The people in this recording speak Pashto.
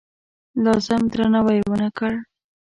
لازم درناوی ونه کړ.